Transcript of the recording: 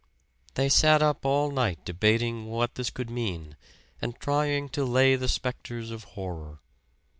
They sat up all night debating what this could mean and trying to lay the specters of horror.